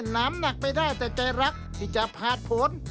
น้ำหนักไม่ได้แต่ใจรักที่จะผ่านผล